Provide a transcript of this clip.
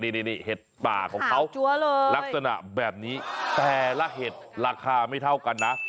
นี่เห็ดป่าของเขาลักษณะแบบนี้แต่ละเห็ดราคาไม่เท่ากันนะ